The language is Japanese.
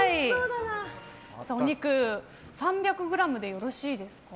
お肉、３００ｇでよろしいですか？